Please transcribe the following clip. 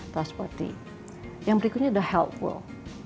terus seperti yang berikutnya adalah helpful